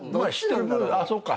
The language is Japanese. あっそうか。